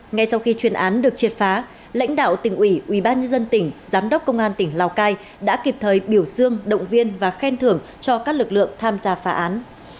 ngay sau khi chuyên án được triệt phá lãnh đạo tỉnh ủy ubnd tỉnh giám đốc công an tỉnh lào cai đã kịp thời biểu dương động viên và khen thưởng cho các lực lượng tham gia phá án